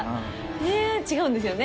え違うんですよね？